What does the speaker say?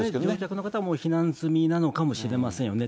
この方は避難済みなのかもしれませんよね。